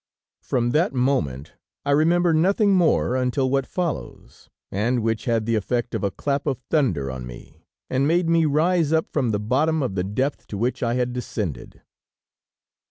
From that moment I remember nothing more until what follows, and which had the effect of a clap of thunder on me, and made me rise up from the bottom of the depth to which I had descended.